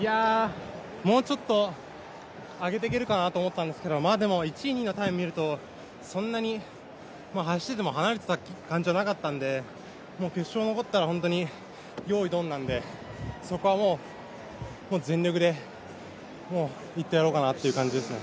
もうちょっと上げていけるかなと思ったんですけどでも１位、２位のタイムを見ると、そんなに走ってても離れていた感じではなかったんで、決勝に残ったらよーいドンなのでそこはもう全力でいってやろうかなという感じですね。